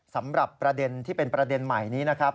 สำหรับประเด็นที่เป็นประเด็นใหม่นี้นะครับ